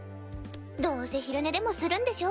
どうせ昼寝でもするんでしょ。